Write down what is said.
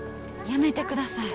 やめてください。